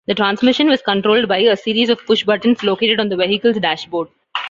The transmission was controlled by a series of pushbuttons located on the vehicle's dashboard.